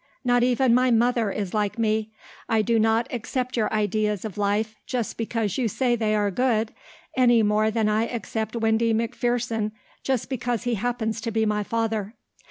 Not even my mother is like me. I do not accept your ideas of life just because you say they are good any more than I accept Windy McPherson just because he happens to be my father."